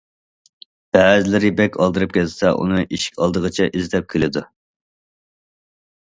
بەزىلىرى بەك ئالدىراپ كەتسە ئۇنى ئىشىك ئالدىغىچە ئىزدەپ كېلىدۇ.